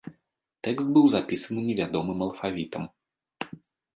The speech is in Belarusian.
Тэкст быў запісаны невядомым алфавітам.